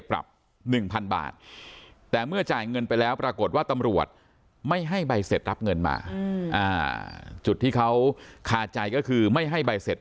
เขาขาดใจก็คือไม่ให้ใบเสร็จ